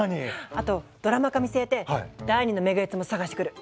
あとドラマ化見据えて第２のメグエツも探してくる。